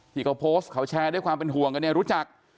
ที่เขาโพสต์เขาแชร์ด้วยความเป็นห่วงกันเนี่ยรู้จัก